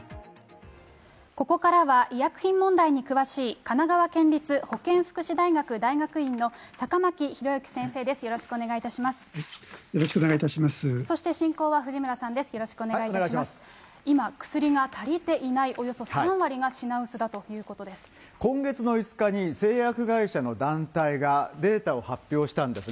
ここからは、医薬品問題に詳しい神奈川県立保健福祉大学大学院の坂巻弘之先生です。